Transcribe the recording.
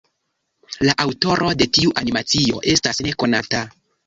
La aŭtoro de tiu animacio estas nekonata.